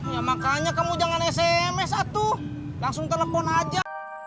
ya makanya kamu jangan sms satu langsung telepon aja